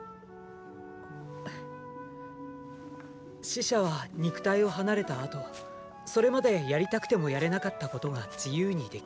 死者は肉体を離れた後それまでやりたくてもやれなかったことが自由にできる。